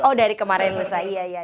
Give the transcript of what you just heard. oh dari kemarin lusa